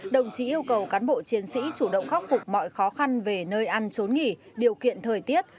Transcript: đồng chí yêu cầu cán bộ chiến sĩ chủ động khắc phục mọi khó khăn về nơi ăn trốn nghỉ điều kiện thời tiết